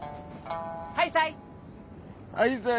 ハイサイ。